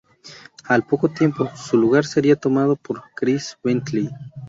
Al poco tiempo, su lugar sería tomado por Kris Bentley.